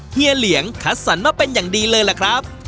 เฮีเหลียงคัดสรรมาเป็นอย่างดีเลยล่ะครับ